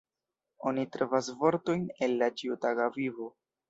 Oni trovas vortojn el la ĉiutaga vivo.